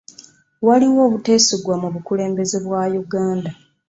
Waliwo obuteesigwa mu bukulembeze bwa Uganda.